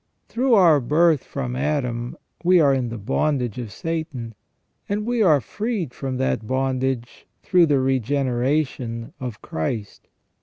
Through our birth from Adam we are in the bondage of Satan, and we are freed from that bondage through the regeneration of Christ.